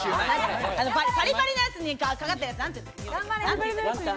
パリパリのやつにかかったやつ。